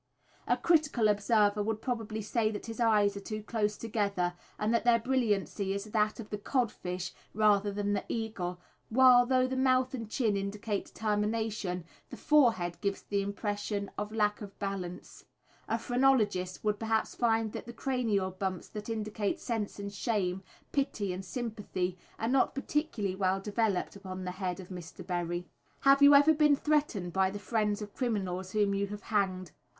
A critical observer would probably say that his eyes are too close together, and that their brilliancy is that of the codfish rather than the eagle, while, though the mouth and chin indicate determination, the forehead gives the impression of lack of balance. A phrenologist would perhaps find that the cranial bumps that indicate sense and shame, pity and sympathy, are not particularly well developed upon the head of Mr. Berry. "Have you ever been threatened by the friends of criminals whom you have hanged?"